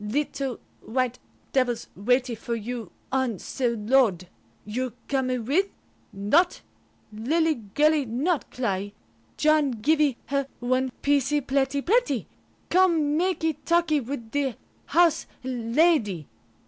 Little white devils waitee for you on ce load. You comee with? Not? Lillee girlee not cly. John givee her one piecee pletty pletty. Come makee talkee with the House Lady."